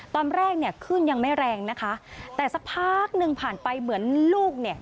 ตอนแรกเนี่ยขึ้นยังไม่แรงนะคะแต่สักพักหนึ่งผ่านไปเหมือนลูกเนี่ย